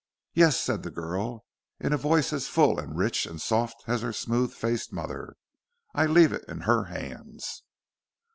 "Yes," said the girl, in a voice as full and rich and soft as her smooth faced mother, "I leave it in her hands."